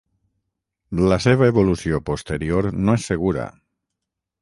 La seva evolució posterior no és segura.